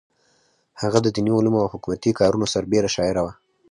هغه د دیني علومو او حکومتي کارونو سربېره شاعره وه.